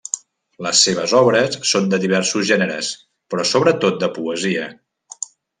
Les seves obres són de diversos gèneres, però sobretot de poesia.